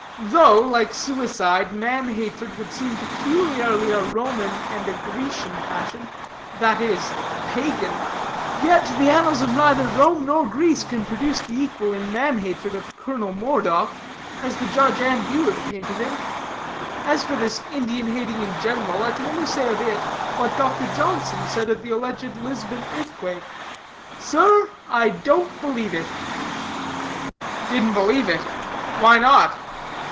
Though, like suicide, man hatred would seem peculiarly a Roman and a Grecian passion that is, Pagan; yet, the annals of neither Rome nor Greece can produce the equal in man hatred of Colonel Moredock, as the judge and you have painted him. As for this Indian hating in general, I can only say of it what Dr. Johnson said of the alleged Lisbon earthquake: 'Sir, I don't believe it.'" "Didn't believe it? Why not?